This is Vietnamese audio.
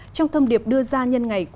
trong thông điệp đưa ra nhân ngày